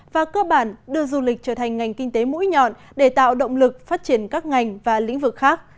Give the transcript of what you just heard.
và cơ bản đưa du lịch trở thành ngành kinh tế mũi nhọn để tạo động lực phát triển các ngành và lĩnh vực khác